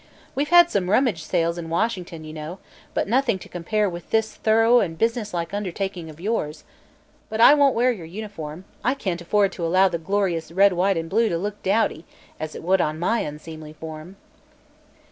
We've had some 'rummage sales' in Washington, you know, but nothing to compare with this thorough and businesslike undertaking of yours. But I won't wear your uniform; I can't afford to allow the glorious red white and blue to look dowdy, as it would on my unseemly form."